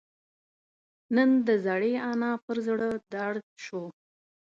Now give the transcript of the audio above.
نن د زړې انا پر زړه دړد شو